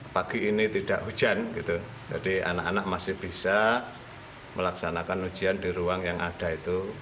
pagi ini tidak hujan jadi anak anak masih bisa melaksanakan ujian di ruang yang ada itu